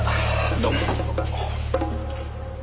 どうも。